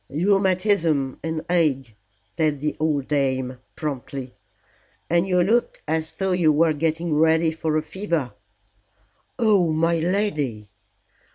"Rheumatism and ague," said the old dame promptly. "And you look as though you were getting ready for a fever." "Oh, my lady!"